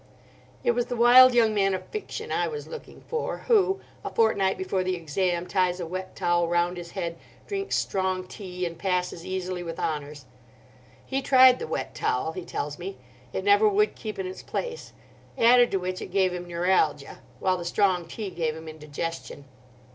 It was the wild young man of fiction I was looking for, who, a fortnight before the exam., ties a wet towel round his head, drinks strong tea, and passes easily with honours. He tried the wet towel, he tells me. It never would keep in its place. Added to which it gave him neuralgia; while the strong tea gave him indigestion.